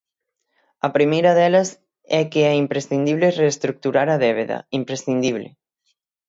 A primeira delas é que é imprescindible reestruturar a débeda, imprescindible.